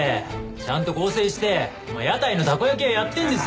ちゃんと更生して今屋台のたこ焼き屋やってんですよ。